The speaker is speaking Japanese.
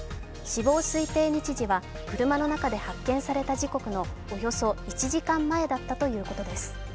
死亡推定日時は車の中で発見された時刻のおよそ１時間前だったということです。